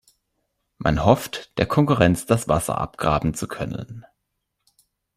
Man hofft, der Konkurrenz das Wasser abgraben zu können.